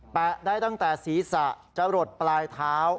แตะได้ตั้งแต่ศีรษะจรดปลายเท้า